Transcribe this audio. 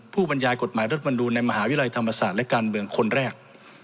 บรรยายกฎหมายรัฐมนูลในมหาวิทยาลัยธรรมศาสตร์และการเมืองคนแรก